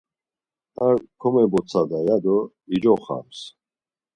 Ar komebotsada ya do icoxams.